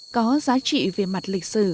có giá trị về mặt lịch sử